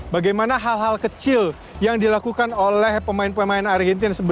bagaimana hal hal kecil yang dilakukan oleh pemain pemain argentina